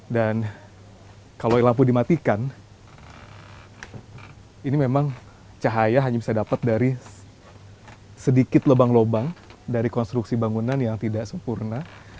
dan kalau lampu dimatikan ini memang cahaya hanya bisa dapat dari sedikit lubang lubang dari konstruksi bangunan yang tidak sempurna